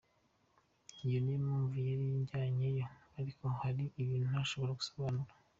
Iyo ni yo mpamvu yari yanjyanyeyo ariko hari ibintu ntashobora gusobanura.